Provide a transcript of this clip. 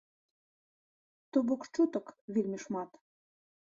То бок чутак вельмі шмат.